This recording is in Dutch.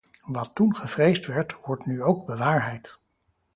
Wat toen gevreesd werd, wordt nu ook bewaarheid.